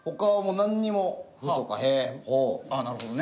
なるほどね。